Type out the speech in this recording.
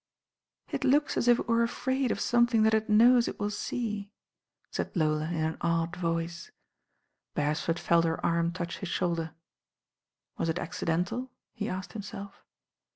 "It looks as if it were afraid of something that it knows it will see," said Lola in an awed voice. Beresford felt her arm touch his shoulder. Was it accidental? he asked himself.